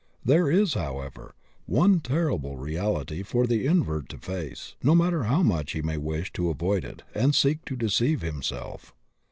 There is, however, one terrible reality for the invert to face, no matter how much he may wish to avoid it and seek to deceive himself.